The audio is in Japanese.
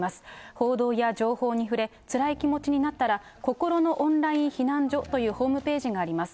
報道や情報に触れ、つらい気持ちになったら、こころのオンライン避難所というホームページがあります。